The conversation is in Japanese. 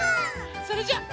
それじゃ。